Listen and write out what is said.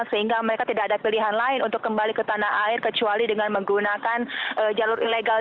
sehingga mereka tidak ada pilihan lain untuk kembali ke tanah air kecuali dengan menggunakan jalur ilegal